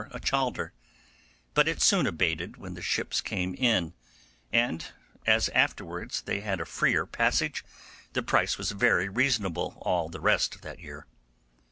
a chalder; but it soon abated when the ships came in, and as afterwards they had a freer passage, the price was very reasonable all the rest of that year.